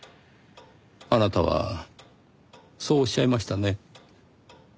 あなたはそうおっしゃいましたね。